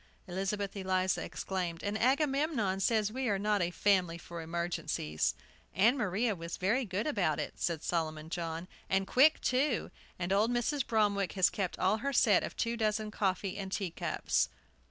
Elizabeth Eliza exclaimed: "And Agamemnon says we are not a family for emergencies!" "Ann Maria was very good about it," said Solomon John; "and quick, too. And old Mrs. Bromwick has kept all her set of two dozen coffee and tea cups!"